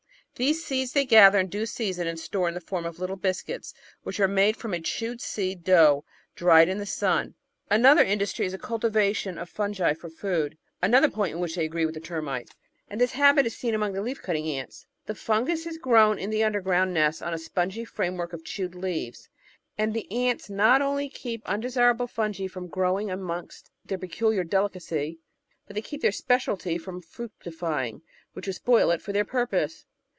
These seeds they gather in due season, and store in the form of little biscuits which are made from a chewed seed dough dried in the sun. Another industry is the cultivation of fungi for food — another point in which they agree with the Ter mites — and this habit is seen among the Leaf cutting Ants. The fungus is grown in the underground nest on a spongy frame work of chewed leaves, and the ants not only keep undesirable fungi from growing amongst their peculiar delicacy, but they keep their speciality from fructifying, which would spoil it for their purpose.